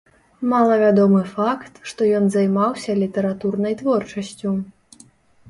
Малавядомы факт, што ён займаўся літаратурнай творчасцю.